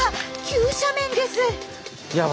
急斜面です。